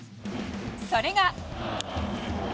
それが。